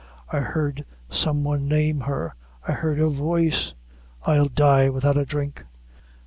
I heard some one name her I heard her voice I'll die without a dhrink."